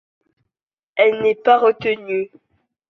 Elle n'est pas retenue.